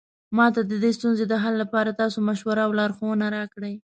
ما ته د دې ستونزې د حل لپاره تاسو مشوره او لارښوونه راکړئ